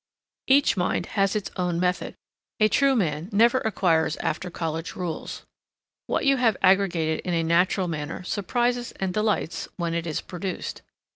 Each mind has its own method. A true man never acquires after college rules. What you have aggregated in a natural manner surprises and delights when it is produced.